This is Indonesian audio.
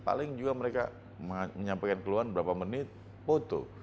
paling juga mereka menyampaikan keluhan berapa menit foto